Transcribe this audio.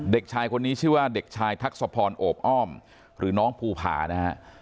เด็กชายคนนี้ชื่อว่าเด็กชายทักษะพรโอบอ้อมหรือน้องภูผานะฮะ